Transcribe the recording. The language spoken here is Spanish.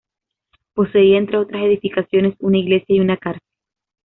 Poseía, entre otras edificaciones, una iglesia y una cárcel.